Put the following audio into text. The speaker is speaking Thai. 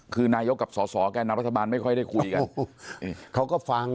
คือนายกกับสอสอแก่นามรัฐบาลไม่ค่อยได้คุยกัน